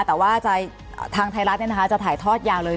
แต่ว่าทางไทยรัฐจะถ่ายทอดยาวเลย